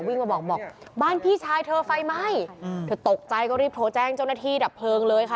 วิ่งมาบอกบอกบ้านพี่ชายเธอไฟไหม้เธอตกใจก็รีบโทรแจ้งเจ้าหน้าที่ดับเพลิงเลยค่ะ